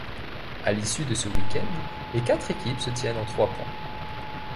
À l'issue de ce week-end, les quatre équipes se tiennent en trois points.